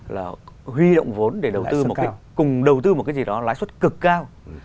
là huy động vốn để đầu tư một cách cùng đầu tư một cái gì đó lãi suất cực cao